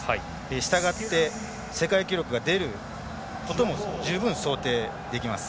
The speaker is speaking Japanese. したがって、世界記録が出るということも十分想定できます。